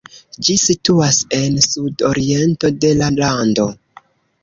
Ĝi situas en sud-oriento de la lando.